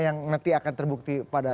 yang nanti akan terbukti pada